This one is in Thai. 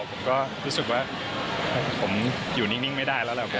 ผมก็รู้สึกว่าผมอยู่นิ่งไม่ได้แล้วแหละ